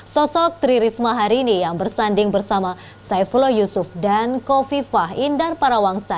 sosok tri risma hari ini yang bersanding bersama saifullah yusuf dan kofifah indar parawangsa